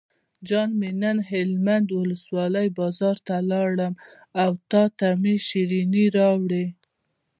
جان مې نن هلمند ولسوالۍ بازار ته لاړم او تاته مې شیرینۍ راوړې.